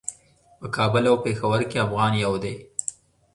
په کابل او پیښور کې افغان یو دی.